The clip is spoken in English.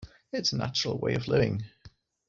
It's a natural way of living.